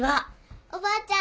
おばあちゃん。